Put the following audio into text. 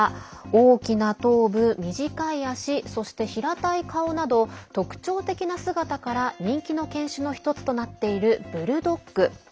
大きな頭部、短い足そして平たい顔など特徴的な姿から人気の犬種の１つとなっているブルドッグ。